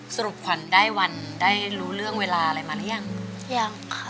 ขวัญได้วันได้รู้เรื่องเวลาอะไรมาหรือยังยังค่ะ